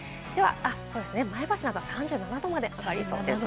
前橋など３７度まで上がりそうです。